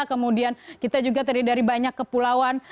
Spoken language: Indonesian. kemudian kita juga terdiri dari banyak kepulauan